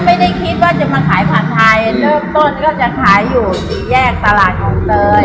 ไม่ได้คิดว่าจะมาขายผัดไทยเริ่มต้นก็จะขายอยู่สี่แยกตลาดคลองเตย